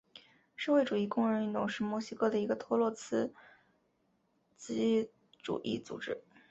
社会主义工人运动是墨西哥的一个托洛茨基主义组织。